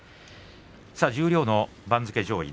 十両の番付上位です。